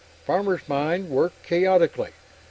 Farmer's mind worked chaotically.